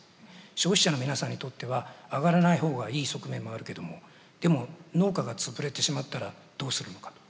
消費者の皆さんにとっては上がらない方がいい側面もあるけどもでも農家が潰れてしまったらどうするのかと。